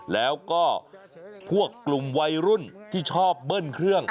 แล้วก็พวกกลุ่มวัยรุ่นที่ชอบเบิ้ลเครื่อง